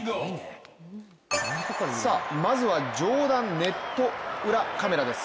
まずは上段ネット裏カメラです。